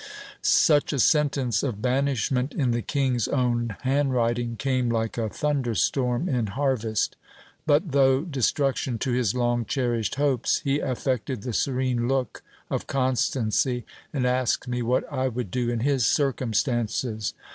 Such a sentence of banishment in the king's own hand writing came like a thunder storm in harvest ; but though destruction to his long cherished hopes, he affected the serene look of constancy, and asked me what I would do in his circumstances.